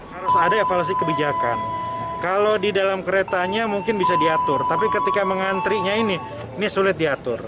harus ada evaluasi kebijakan kalau di dalam keretanya mungkin bisa diatur tapi ketika mengantrinya ini ini sulit diatur